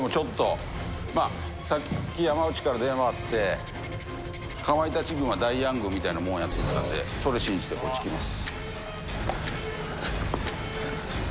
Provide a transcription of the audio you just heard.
さっき山内から電話あってかまいたち軍はダイアン軍みたいなもんやったんでそれ信じて、こっちいきます。